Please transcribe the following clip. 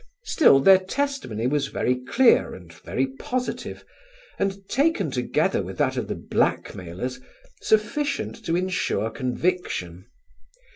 Still their testimony was very clear and very positive, and, taken together with that of the blackmailers, sufficient to ensure conviction.